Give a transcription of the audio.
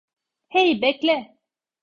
Hey, bekle!